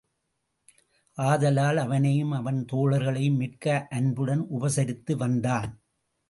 ஆதலால் அவனையும் அவன் தோழர்களையும் மிக்க அன்புடன் உபசரித்து வந்தான்.